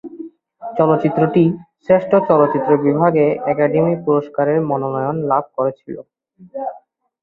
চলচ্চিত্রটি শ্রেষ্ঠ চলচ্চিত্র বিভাগে একাডেমি পুরস্কারের মনোনয়ন লাভ করেছিল।